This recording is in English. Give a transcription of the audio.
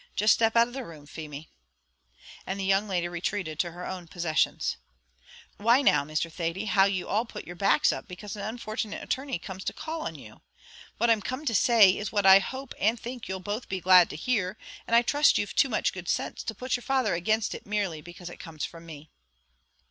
Just step out of the room, Feemy." And the young lady retreated to her own possessions. "Why, now, Mr. Thady, how you all put your backs up because an unfortunate attorney comes to call on you. What I'm come to say is what I hope and think you'll both be glad to hear; and I trust you've too much good sense to put your father against it merely because it comes from me."